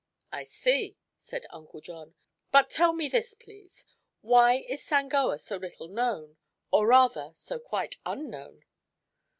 "I see," said Uncle John. "But tell me this, please: Why is Sangoa so little known, or rather, so quite unknown?"